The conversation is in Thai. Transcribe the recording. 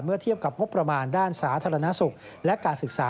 เทียบกับงบประมาณด้านสาธารณสุขและการศึกษา